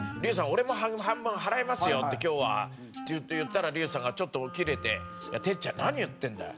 俺も半分払いますよ今日は」って言ったら竜さんがちょっとキレて「いや哲ちゃん何言ってんだよ。